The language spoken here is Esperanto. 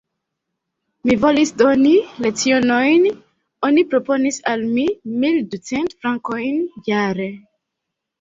Mi volis doni lecionojn: oni proponis al mi mil ducent frankojn jare.